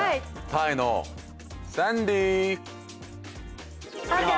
タイのサンディー。